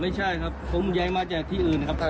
ไม่ใช่ครับผมย้ายมาจากที่อื่นครับ